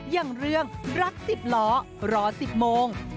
อย่างเรื่องรักสิบล้อรอสิบโมง